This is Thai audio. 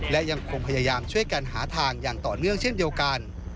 และยังคงพยายามช่วยกันหาทางอย่างต่อเนื่องเช่นเดียวกัน